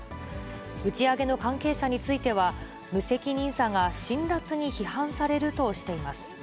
打ち上げの関係者については、無責任さが辛辣に批判されるとしています。